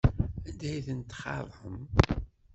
Anda ay ten-txaḍem?